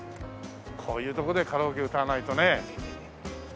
こういう所でカラオケ歌わないとねえ。